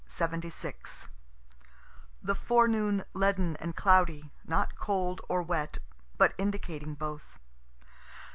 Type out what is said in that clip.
NOVEMBER 8, '76 The forenoon leaden and cloudy, not cold or wet, but indicating both.